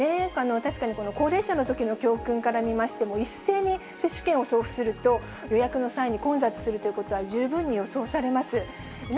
確かに高齢者のときの教訓から見ましても、一斉に接種券を送付すると、予約の際に混雑するということは、十分に予想されます。